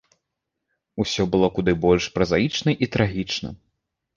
Усё было куды больш празаічна і трагічна.